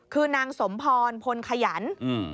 คือนางสมพรพลขยันอืม